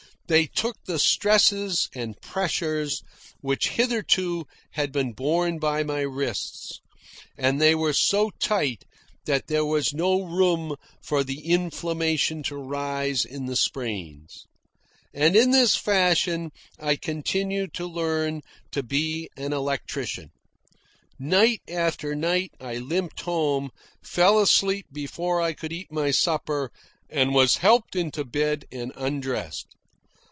They took the stresses and pressures which hitherto had been borne by my wrists, and they were so tight that there was no room for the inflammation to rise in the sprains. And in this fashion I continued to learn to be an electrician. Night after night I limped home, fell asleep before I could eat my supper, and was helped into bed and undressed.